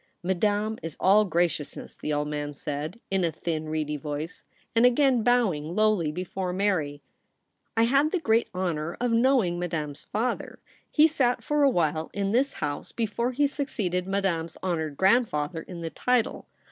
' Madame is all graciousness,' the old man said, in a thin, reedy voice, and again bowing lowly before Mary. ' I had the great honour of knowing Madame's father. He sat for a while in this House before he succeeded Madame's honoured grandfather in the title.